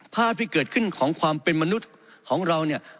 ภาพที่เกิดขึ้นของความเป็นมนุษย์ของเราเนี่ย